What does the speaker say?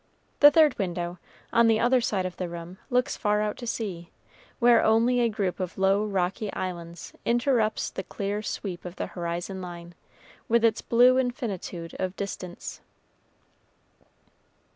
The third window, on the other side of the room, looks far out to sea, where only a group of low, rocky islands interrupts the clear sweep of the horizon line, with its blue infinitude of distance.